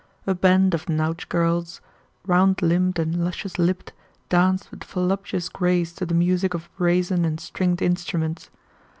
A band of Nautch girls, round limbed and luscious lipped, danced with voluptuous grace to the music of brazen and stringed instruments.